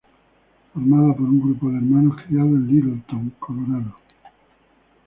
Formada por un grupo de hermanos criados en Littleton, Colorado.